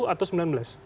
kalau dipercepat justru